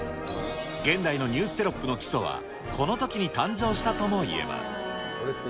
現代のニューステロップの基礎はこのときに誕生したともいえます。